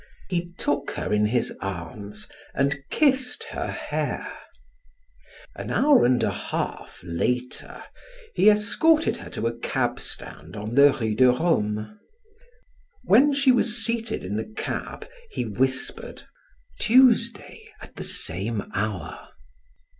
He took her in his arms and kissed her hair. An hour and a half later he escorted her to a cab stand on the Rue de Rome. When she was seated in the cab, he whispered: "Tuesday, at the same hour."